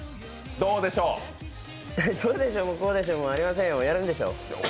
どうでしょうもこうでしょうもありませんよ、やるんでしょ。